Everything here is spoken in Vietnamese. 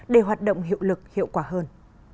để hoạt động hiệu lực hiệu quả hơn